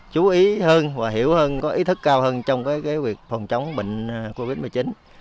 chú ý hơn và hiểu hơn có ý thức cao hơn trong việc phòng chống bệnh covid một mươi chín